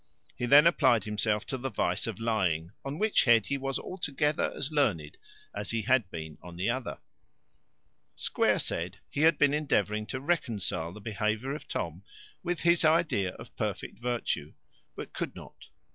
He then applied himself to the vice of lying, on which head he was altogether as learned as he had been on the other. Square said, he had been endeavouring to reconcile the behaviour of Tom with his idea of perfect virtue, but could not.